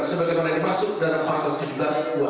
sebagaimana dimasuk dalam pasal tujuh belas wajib